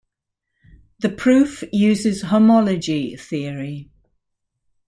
The proof uses homology theory.